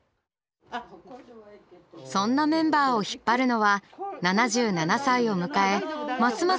そんなメンバーを引っ張るのは７７歳を迎えますます